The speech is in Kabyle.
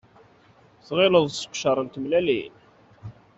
Tɣileḍ d seqcer n tmellalin.